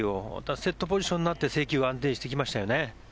セットポジションになって制球が安定してきましたよね。